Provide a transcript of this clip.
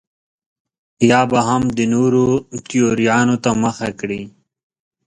یا به هم د نورو تیوریانو ته مخه کړي.